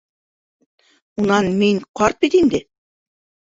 Унан мин ҡарт бит инде.